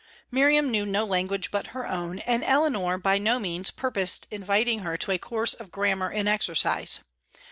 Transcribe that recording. Miriam knew no language but her own, and Eleanor by no means purposed inviting her to a course of grammar and exercise.